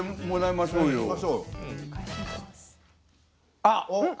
あっ！